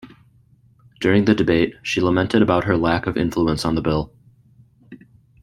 During the debate she lamented about her lack of influence on the bill.